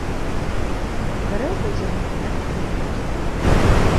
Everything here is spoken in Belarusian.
Гарэлку ў цягніку не п'ю, толькі піва.